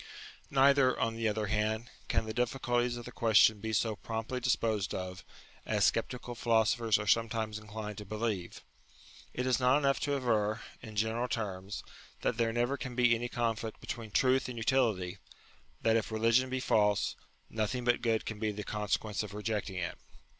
Neither, on the other hand, can the difficulties of the question be so promptly disposed of, as sceptical philosophers are sometimes inclined to believe. It is not enough to aver, in general terms, that there never can be any conflict between truth and utility ; that if religion be false, nothing but good can be the consequence of rejecting it.